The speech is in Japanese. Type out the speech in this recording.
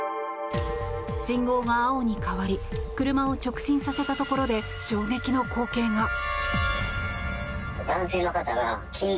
信号が青に変わり車を直進させたところで衝撃の光景が。